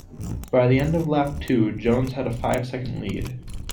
By the end of lap two, Jones had a five-second lead.